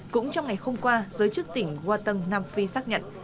cũng trong ngày hôm qua giới chức tỉnh waterng nam phi xác nhận